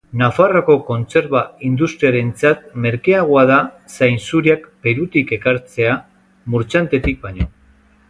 Nafarroako kontserba industriarentzat merkeagoa da zainzuriak Perutik ekartzea Murchantetik baino.